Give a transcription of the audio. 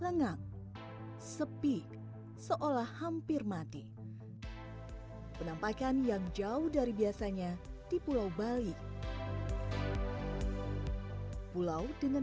lengang sepi seolah hampir mati penampakan yang jauh dari biasanya di pulau bali pulau dengan